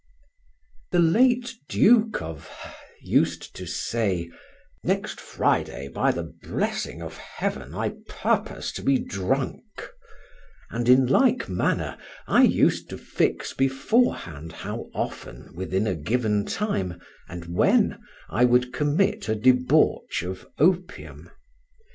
The late Duke of —— used to say, "Next Friday, by the blessing of heaven, I purpose to be drunk;" and in like manner I used to fix beforehand how often within a given time, and when, I would commit a debauch of opium.